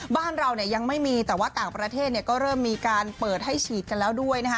บ้านเรายังไม่มีแต่ว่าต่างประเทศก็เริ่มมีการเปิดให้ฉีดกันแล้วด้วย